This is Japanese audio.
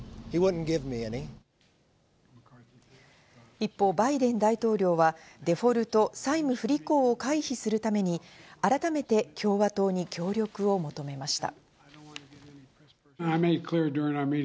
一方、バイデン大統領はデフォルト＝債務不履行を回避するために改めて共和党に協力を求めました。